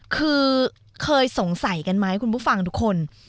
คือเคยสงสัยกันไหมคุณผู้ฟังทุกคน